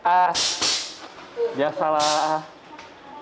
ah biasa lah